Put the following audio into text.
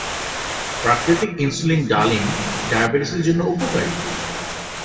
প্রাকৃতিক ইনসুলিন ডালিম ডায়াবেটিসের জন্য উপকারী।